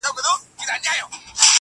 بس ده د خداى لپاره زړه مي مه خوره.